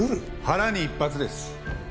腹に１発です。